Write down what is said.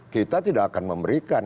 kita tidak akan memberikan